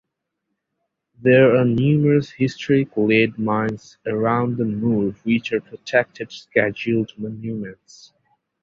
There are numerous historic lead mines around the moor which are protected Scheduled Monuments.